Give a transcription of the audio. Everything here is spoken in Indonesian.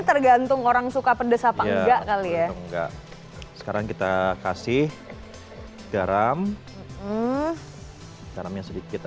tergantung orang suka pedes apa enggak kali ya enggak sekarang kita kasih garam garamnya sedikit